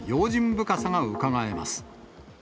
深さがうかがえます。